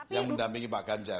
yang mendampingi pak ganjar